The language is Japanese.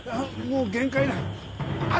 もう限界だ。